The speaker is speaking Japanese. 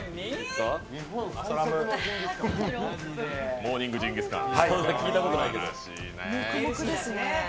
モーニングジンギスカン。